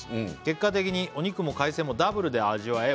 「結果的にお肉も海鮮もダブルで味わえ」